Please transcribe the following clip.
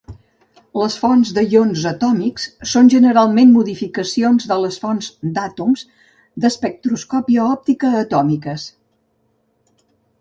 Les fonts d'ions atòmics són generalment modificacions de les fonts d'àtoms d'espectroscòpia òptica atòmiques.